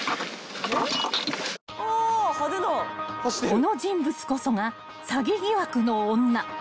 ［この人物こそが詐欺疑惑の女］